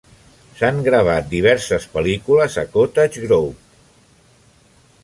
S'han gravat diverses pel·lícules a Cottage Grove.